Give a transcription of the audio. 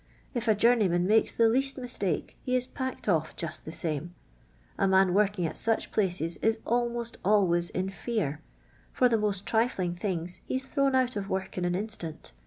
If a journeyman makes the least mistake, he is pricked otf just the same. A man working at such places is almost always in fear ; for the most trifling things he*s thrown out of wotk in an instant.